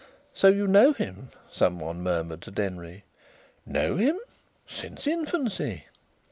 "So you know him?" some one murmured to Denry. "Know him?... Since infancy."